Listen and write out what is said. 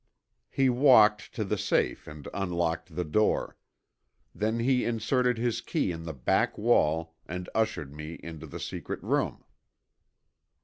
He walked to the safe, and unlocked the door. Then he inserted his key in the back wall and ushered me into the secret room.